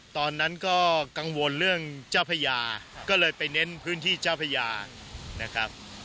ตอนนั้นก็กังวลเรื่องเจ้าพญาก็เลยไปเน้นพื้นที่เจ้าพญานะครับ